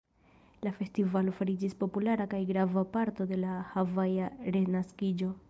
La festivalo fariĝis populara kaj grava parto de la havaja renaskiĝo.